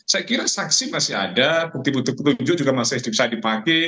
saya kira saksi masih ada bukti bukti petunjuk juga masih bisa dipakai